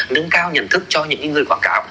nâng cao nhận thức cho những người quảng cáo